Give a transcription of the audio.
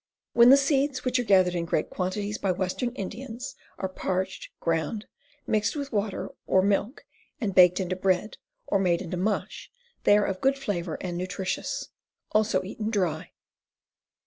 When the seeds, which are gathered in great quantities by western Indians, are parched, ground, mixed with water or milk and baked into bread or made into mush, they are of good flavor and nutritious. Also eaten dry.